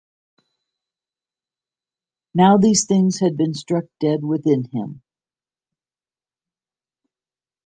Now these things had been struck dead within him.